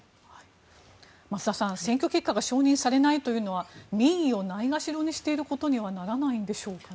増田さん、選挙結果が承認されないというのは民意をないがしろにしてることにはならないんでしょうか。